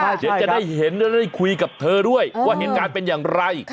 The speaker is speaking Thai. เดี๋ยวจะได้เห็นแล้วได้คุยกับเธอด้วยว่าเหตุการณ์เป็นอย่างไร